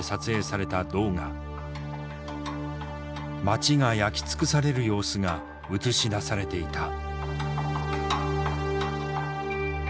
町が焼き尽くされる様子が映し出されていた。